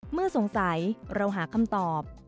เมื่อสงสัยเราหาคำตอบ